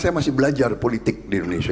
saya masih belajar politik di indonesia